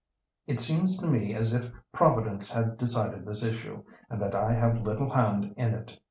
It seems to me as if Providence had decided this issue, and that I have little hand in it."